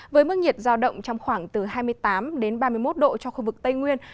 với mức nhiệt giao động trong khoảng từ hai mươi tám ba mươi một độ cho khu vực tây nguyên